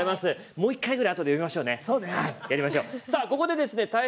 もう１回ぐらいあとで呼びましょう。